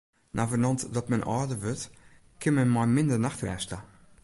Navenant dat men âlder wurdt, kin men mei minder nachtrêst ta.